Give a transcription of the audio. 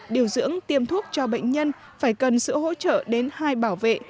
điều dưỡng tiêm thuốc cho bệnh nhân phải cần sự hỗ trợ đến hai bảo vệ